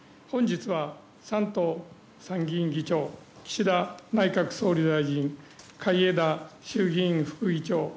本日は山東参議院議長岸田内閣総理大臣海江田衆議院副議長